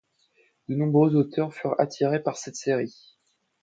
De nombreux auteurs furent attirés par cette série.